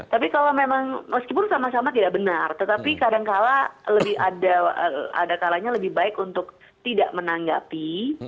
tapi kalau memang meskipun sama sama tidak benar tetapi kadangkala ada kalanya lebih baik untuk tidak menanggapi